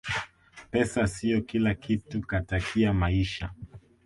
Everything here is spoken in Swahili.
pesa siyo kila kitu katakia maisha